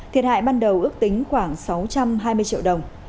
thiệt hại ban đầu ước tính khoảng sáu trăm hai mươi triệu đồng